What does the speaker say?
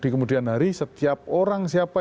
di kemudian hari setiap orang siapa